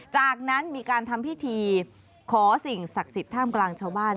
จากนั้นมีการทำพิธีขอสิ่งศักดิ์สิทธิ์ท่ามกลางชาวบ้าน